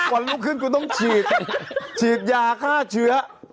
วันรุ่งขึ้นกูต้องฉีดฉีดยาฆ่าเชื้อ